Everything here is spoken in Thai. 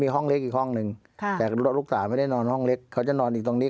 คร่าข้ามไปแล้วก็ออกออกจากห้องไป